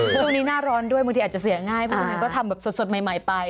ช่วงนี้หน้าร้อนด้วยบางทีอาจจะเสียง่ายเพราะฉะนั้นก็ทำแบบสดใหม่ไป